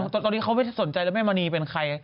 ตอนนี้เขาไม่สนใจแล้วแม่มณีเป็นใคร